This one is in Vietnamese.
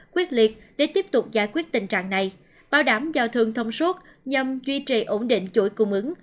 quyết liệt để tiếp tục giải quyết tình trạng này bảo đảm giao thông thông suốt nhằm duy trì ổn định chuỗi cung ứng